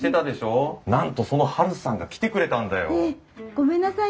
ごめんなさい